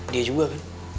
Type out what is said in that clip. dia juga kan